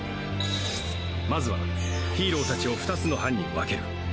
まずはヒーロー達を２つの班に分ける。